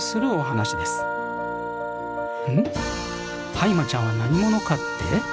ハイマちゃんは何者かって？